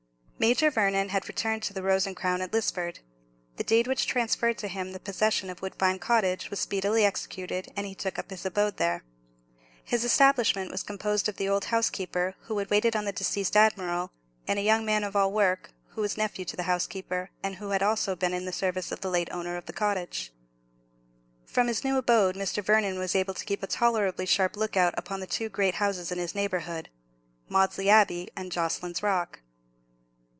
Major Vernon had returned to the Rose and Crown at Lisford. The deed which transferred to him the possession of Woodbine Cottage was speedily executed, and he took up his abode there. His establishment was composed of the old housekeeper, who had waited on the deceased admiral, and a young man of all work, who was nephew to the housekeeper, and who had also been in the service of the late owner of the cottage. From his new abode Mr. Vernon was able to keep a tolerably sharp look out upon the two great houses in his neighbourhood—Maudesley Abbey and Jocelyn's Rock.